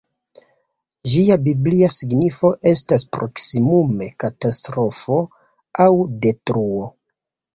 Ĝia biblia signifo estas proksimume ‹katastrofo› aŭ ‹detruo›.